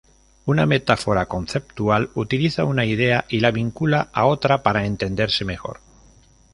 Una metáfora conceptual utiliza una idea y la vincula a otra para entenderse mejor.